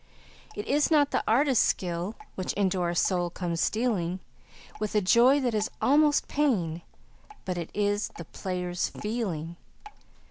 It is not the artist's skill which into our soul comes stealing With a joy that is almost pain, but it is the player's feeling.